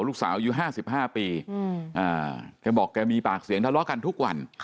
อายุ๕๕ปีแกบอกแกมีปากเสียงทะเลาะกันทุกวัน